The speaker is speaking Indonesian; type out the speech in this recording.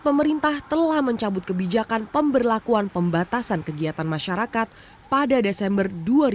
pemerintah telah mencabut kebijakan pemberlakuan pembatasan kegiatan masyarakat pada desember